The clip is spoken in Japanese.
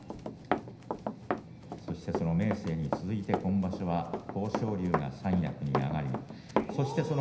そして明生に続いて今場所は豊昇龍が三役に上がりました。